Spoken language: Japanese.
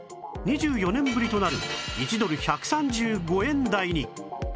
２４年ぶりとなる１ドル１３５円台に